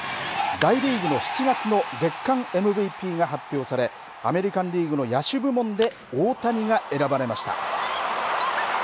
大リーグの７月の月間ＭＶＰが発表されアメリカンリーグの野手部門で大谷が選ばれました。